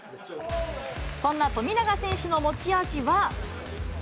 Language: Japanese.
そんな富永選手の持ち味は。